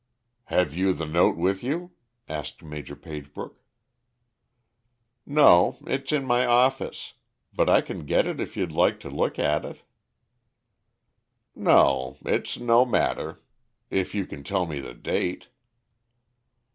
"Have you the note with you?" asked Maj. Pagebrook. "No. It's in my office; but I can get it if you'd like to look at it." "No; it's no matter, if you can tell me the date."